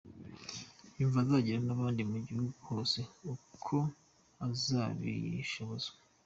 Yumva azagera n’ahandi mu gihugu hose uko azabishobozwa.